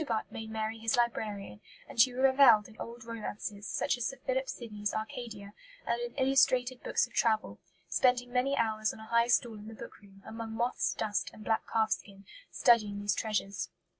Butt made Mary his librarian; and she revelled in old romances, such as Sir Philip Sydney's Arcadia, and in illustrated books of travel; spending many hours on a high stool in the bookroom, among "moths, dust, and black calf skin," studying these treasures.